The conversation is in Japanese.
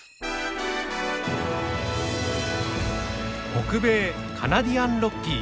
北米カナディアンロッキー。